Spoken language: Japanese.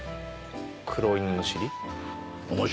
黒犬の尻？